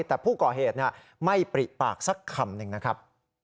แต่ผู้ก่อเหตุไม่ปริปากสักคำหนึ่งนะครับ